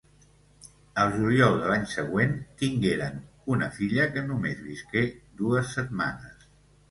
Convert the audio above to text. Al juliol de l'any següent tingueren una filla, que només visqué dues setmanes.